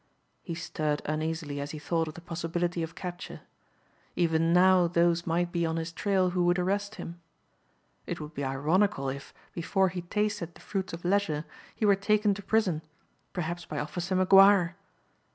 He stirred uneasily as he thought of the possibility of capture. Even now those might be on his trail who would arrest him. It would be ironical if, before he tasted the fruits of leisure, he were taken to prison perhaps by Officer McGuire!